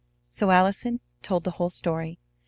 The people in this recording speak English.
So Allison told the whole story.